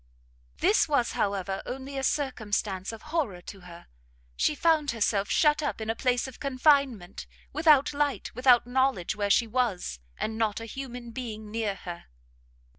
This was, however, only a circumstance of horror to her: she found herself shut up in a place of confinement, without light, without knowledge where she was, and not a human being near her!